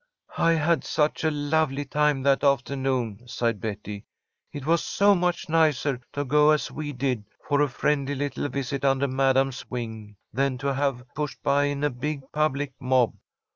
"I had such a lovely time that afternoon," sighed Betty. "It was so much nicer to go as we did, for a friendly little visit under Madam's wing, than to have pushed by in a big public mob.